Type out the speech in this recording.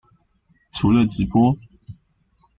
除了直播